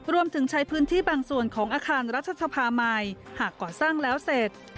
ใช้พื้นที่บางส่วนของอาคารรัฐสภาใหม่หากก่อสร้างแล้วเสร็จ